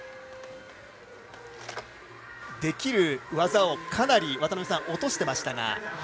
できる技をかなり、渡辺さん落としていましたが。